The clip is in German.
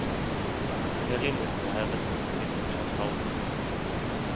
Perrin ist verheiratet und lebt in Schaffhausen.